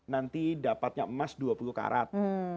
nanti dapatnya emas dua puluh karat